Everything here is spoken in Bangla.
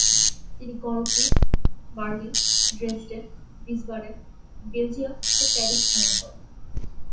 তিনি Cologne, Berlin, Dresden, Wiesbaden, Belgium ও প্যারিস ভ্রমণ করেন।